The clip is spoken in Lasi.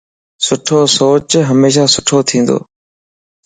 سھڻو سوچ ھميشا سھڻو ڇندو